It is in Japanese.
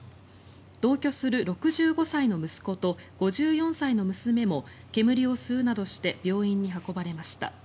同居する６５歳の息子と５４歳の娘も煙を吸うなどして病院に運ばれました。